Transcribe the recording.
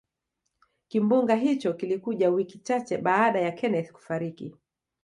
kimbunga hicho kilikuja wiki chache baada ya kenneth kufariki